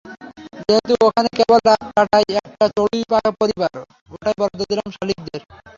যেহেতু ওখানে কেবল রাত কাটায় একটা চড়ুই পরিবার, ওটাই বরাদ্দ দিলাম শালিকদের।